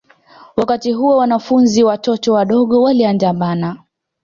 Wakati huo wanafunzi watoto wadogo waliandamana